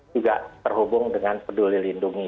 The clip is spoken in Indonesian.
juga terhubung dengan peduli lindungi